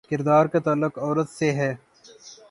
کردار کا تعلق عورت سے ہے۔